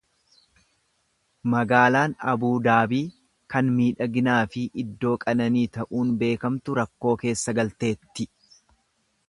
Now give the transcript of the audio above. Magaalaan Abu Daabii, kan miidhaginaa fi iddoo qananii ta'uun beekamtu rakkoo keessa galteetti.